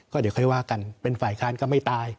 ก็เดี๋ยวค่อยว่ากันเป็นฝ่ายค้านก็ไม่ตาย